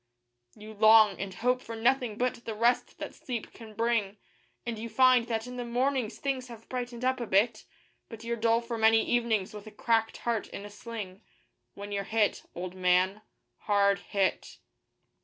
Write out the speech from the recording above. You long and hope for nothing but the rest that sleep can bring, And you find that in the morning things have brightened up a bit; But you're dull for many evenings, with a cracked heart in a sling, When you're hit, old man hard hit.